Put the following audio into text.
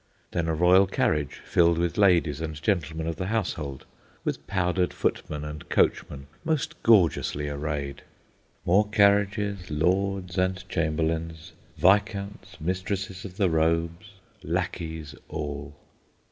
Then a royal carriage, filled with ladies and gentlemen of the household, with powdered footmen and coachmen most gorgeously arrayed. More carriages, lords, and chamberlains, viscounts, mistresses of the robes—lackeys all.